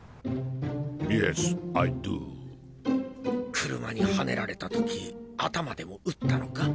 Ｙｅｓ，Ｉｄｏ．車にはねられた時頭でも打ったのか？